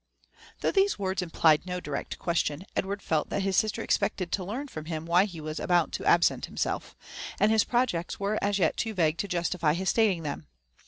Though these words Implied no direct question, Edward felt that his sister expected to learn from him why he was about to absent himself ; and his pirojects were as yet too vague to justify his stating them.